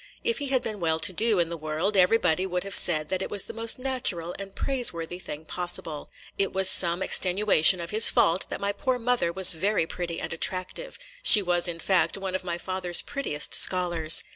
If he had been well to do in the world everybody would have said that it was the most natural and praiseworthy thing possible. It was some extenuation of his fault that my poor mother was very pretty and attractive, – she was, in fact, one of my father's prettiest scholars.